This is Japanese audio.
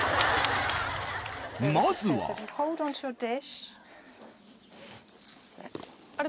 まずはあれ？